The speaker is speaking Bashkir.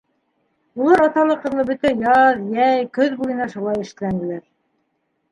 Улар аталы-ҡыҙлы бөтә яҙ, йәй, көҙ буйына шулай эшләнеләр.